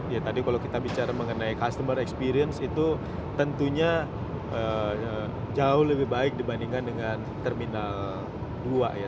ya tadi kalau kita bicara mengenai customer experience itu tentunya jauh lebih baik dibandingkan dengan terminal dua ya